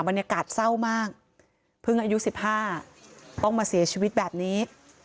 บรรยากาศเศร้ามากเพิ่งอายุ๑๕ต้องมาเสียชีวิตแบบนี้